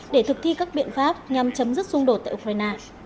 để thực thi các biện pháp nhằm chấm dứt xung đột tại ukraine